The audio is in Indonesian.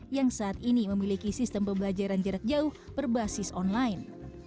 yang saat ini memiliki sistem pembelajaran jarak jauh berbasis online